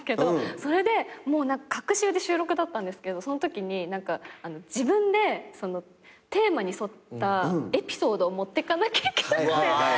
それで隔週で収録だったんですけどそのときに自分でテーマに沿ったエピソードを持ってかなきゃいけなくて。